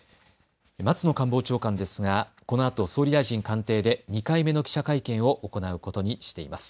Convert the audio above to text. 松野官房長官ですが、このあと総理大臣官邸で２回目の記者会見を行うことにしています。